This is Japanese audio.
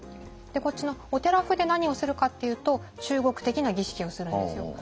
こっちのお寺風で何をするかっていうと中国的な儀式をするんですよ。